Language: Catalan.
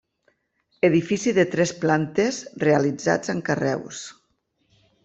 Edifici de tres plantes, realitzats amb carreus.